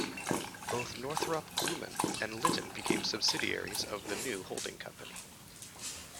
Both Northrop Grumman and Litton became subsidiaries of the new holding company.